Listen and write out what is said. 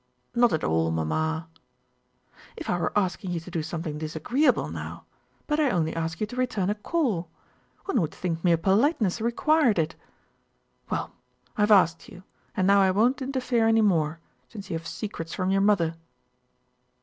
"Not at all, Mamma." "If I were asking you to do something disagreeable now—but I only ask you to return a call. One would think mere politeness required it.... Well, I have asked you, and now I won't interfere any more since you have secrets from your mother."